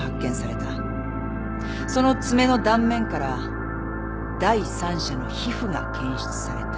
その爪の断面から第三者の皮膚が検出された。